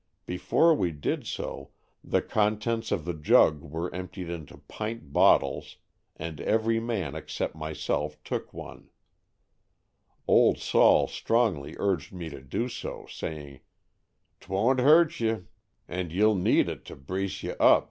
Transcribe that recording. Before we did so, the contents of the jug were emptied into pint bottles and every man except myself took one. "Old Sol'' strongly urged me to do so, saying "'Twon't hurt ye, and you'll need it to brace ye up Stories from tfie Adirondack^.